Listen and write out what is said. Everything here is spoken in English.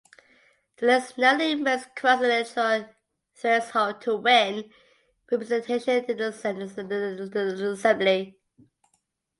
The list narrowly missed crossing the electoral threshold to win representation in the assembly.